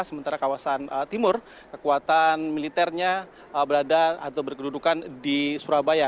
sementara kawasan timur kekuatan militernya berada atau berkedudukan di surabaya